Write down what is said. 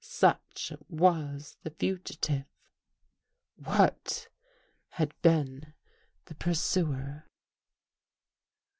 Such was the fugitive. What had been the pur suer?